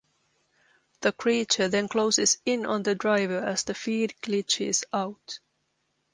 The creature then closes in on the driver as the feed glitches out.